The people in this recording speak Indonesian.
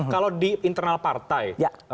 kalau di internal partai